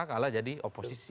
kalah jadi oposisi